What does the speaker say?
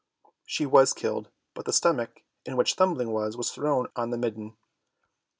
She was killed, but the stomach, in which Thumbling was, was thrown on the midden.